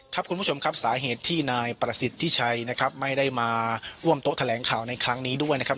คุณผู้ชมครับสาเหตุที่นายประสิทธิชัยนะครับไม่ได้มาร่วมโต๊ะแถลงข่าวในครั้งนี้ด้วยนะครับ